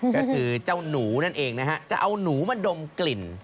ก็คือเจ้าหนูนั่นเองนะฮะจะเอาหนูมาดมกลิ่น